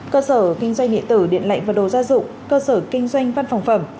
cơ sở kinh doanh nghệ tử điện lệnh và đồ gia dụng cơ sở kinh doanh văn phòng phẩm